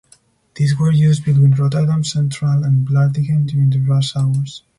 These were used between Rotterdam Centraal and Vlaardingen during the rush hours.